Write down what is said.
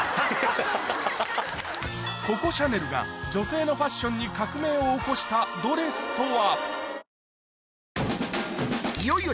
ココ・シャネルが女性のファッションに革命を起こしたドレスとは？